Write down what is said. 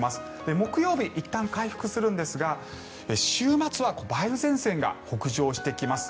木曜日いったん回復するんですが週末は梅雨前線が北上してきます。